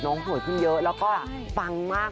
โหยพี่เยอะแล้วก็ฟังมาก